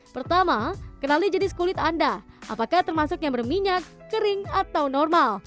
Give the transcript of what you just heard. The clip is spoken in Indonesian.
pertama kenali jenis kulit anda apakah termasuk yang berminyak kering atau normal